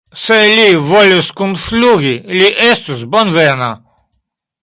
Se li volus kunflugi, li estus bonvena.